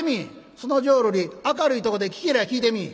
「その浄瑠璃明るいとこで聴けりゃ聴いてみぃ」。